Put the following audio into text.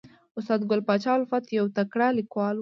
استاد ګل پاچا الفت یو تکړه لیکوال و